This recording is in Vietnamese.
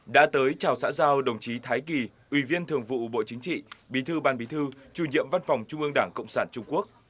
đã tới chào xã giao đồng chí thái kỳ ủy viên thường vụ bộ chính trị bí thư ban bí thư chủ nhiệm văn phòng trung ương đảng cộng sản trung quốc